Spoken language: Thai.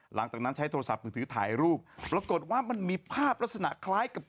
หลังจากนั้นใช้โทรศัพท์มือถือถ่ายรูปปรากฏว่ามันมีภาพลักษณะคล้ายกับ